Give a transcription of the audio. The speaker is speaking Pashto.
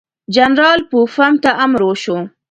جنرال پوفم ته امر وشو.